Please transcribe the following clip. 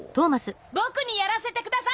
僕にやらせて下さい！